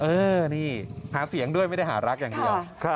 เออนี่หาเสียงด้วยไม่ได้หารักอย่างเดียว